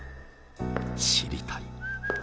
「知りたい」。